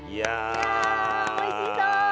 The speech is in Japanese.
いやおいしそう！